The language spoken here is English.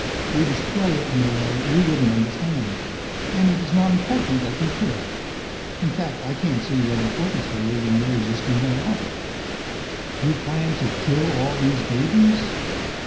We destroy it in a way you wouldn't understand, and it is not important that you should. In fact, I can't see what importance there is in your existing at all." "You plan to kill all these babies?"